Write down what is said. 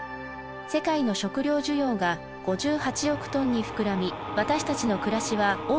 世界の食料需要が５８億トンに膨らみ私たちの暮らしは大きく変わりました。